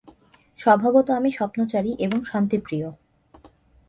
স্বভাবত আমি স্বপ্নচারী এবং শান্তিপ্রিয়।